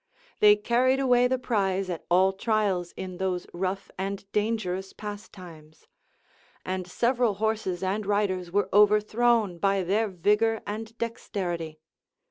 They carried away the prize at all trials in those rough and dangerous pastimes; and several horses and riders were overthrown by their vigor and dexterity.